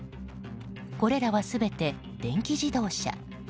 これらは全て、電気自動車。